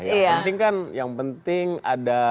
sebenarnya sih gak perlu seru ya